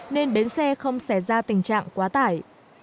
nên bến xe không xảy ra tình trạng quá tải